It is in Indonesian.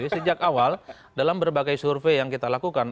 sejak awal dalam berbagai survei yang kita lakukan